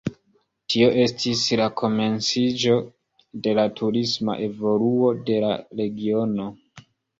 Tio estis la komenciĝo de la turisma evoluo de la regiono.